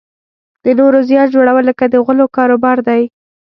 د نورو زیان جوړول لکه د غولو کاروبار دی.